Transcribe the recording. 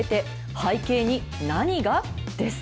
背景に何が？です。